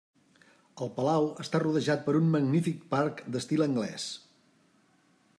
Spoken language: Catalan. El Palau està rodejat per un magnífic parc d'estil anglès.